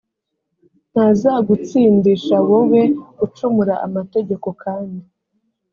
ntazagutsindisha wowe ucumura amategeko kandi